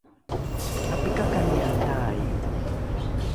’apikakaniae tai